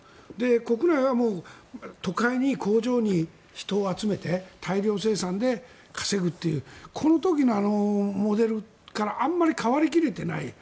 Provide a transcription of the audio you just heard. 国内は都会に工場に人を集めて大量生産で稼ぐというこの時のモデルからあまり変わり切れていない。